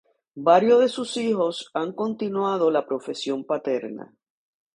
Varios de sus hijos han continuado la profesión paterna.